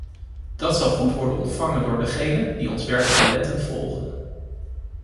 Dat zal goed worden ontvangen door degenen die ons werk nauwlettend volgen.